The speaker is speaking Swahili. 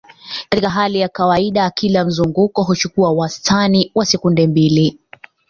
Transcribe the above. Katika hali ya kawaida, kila mzunguko huchukua wastani wa sekunde mbili.